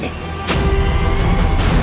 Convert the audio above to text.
bukan hanya surawi sesa